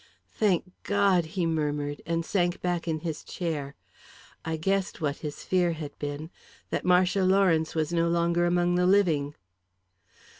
"Thank God!" he murmured, and sank back in his chair. I guessed what his fear had been that Marcia Lawrence was no longer among the living.